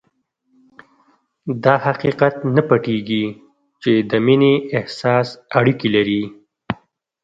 دا حقيقت نه پټېږي چې د مينې احساس اړيکې لري.